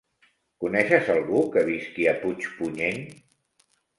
Coneixes algú que visqui a Puigpunyent?